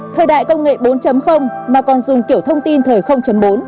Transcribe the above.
thời đại công nghệ bốn mà còn dùng kiểu thông tin thời bốn